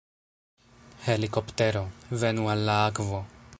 Helikoptero... venu al la akvo!